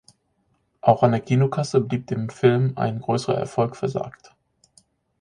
Auch an der Kinokasse blieb dem Film ein größerer Erfolg versagt.